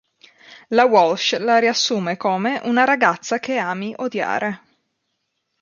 La Walsh la riassume come "una ragazza che ami odiare".